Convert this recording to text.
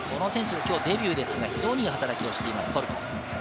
きょうデビューですが、非常に働きをしています、トルコ。